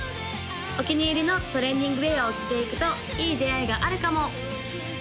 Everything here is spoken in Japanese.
お気に入りのトレーニングウエアを着ていくといい出会いがあるかも？